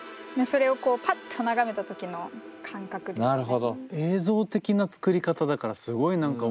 それをパッと眺めた時の感覚ですかね。